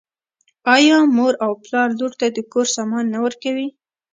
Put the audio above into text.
آیا مور او پلار لور ته د کور سامان نه ورکوي؟